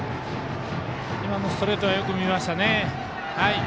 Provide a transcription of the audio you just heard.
今もストレートよく見ましたね。